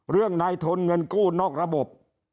เรื่องไหนทนเงินกู้นอกระบบ